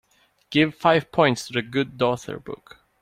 Give five points to The Good Daughter book